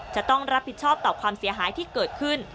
จะต้องรับผิดชอบต่อความเสียหายที่เกิดขึ้น